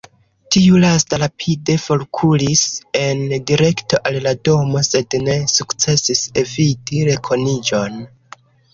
Tiu lasta rapide forkuris en direkto al la domo, sed ne sukcesis eviti rekoniĝon.